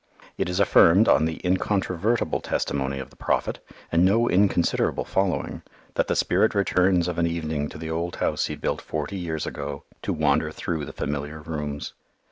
It is affirmed, on the incontrovertible testimony of the Prophet and no inconsiderable following, that the spirit returns of an evening to the old house he built forty years ago, to wander through the familiar rooms.